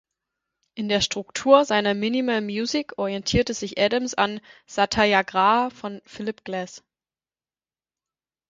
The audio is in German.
In der Struktur seiner Minimal Music orientierte sich Adams an "Satyagraha" von Philip Glass.